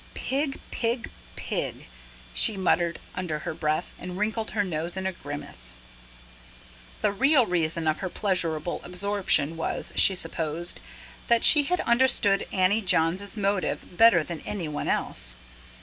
"Pig pig pig!" she muttered under her breath, and wrinkled her nose in a grimace. The real reason of her pleasurable absorption was, she supposed, that she had understood Annie Johns' motive better than anyone else.